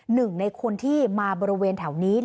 หนึ่งในคนที่มาบริเวณแถวนี้